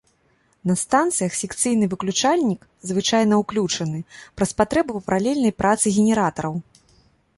На станцыях секцыйны выключальнік звычайна ўключаны, праз патрэбу паралельнай працы генератараў.